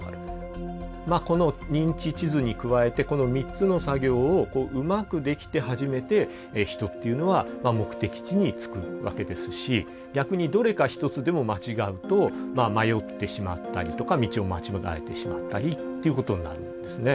この認知地図に加えてこの３つの作業をうまくできて初めて人っていうのは目的地に着くわけですし逆にどれか一つでも間違うと迷ってしまったりとか道を間違えてしまったりっていうことになるんですね。